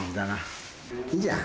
いいじゃん。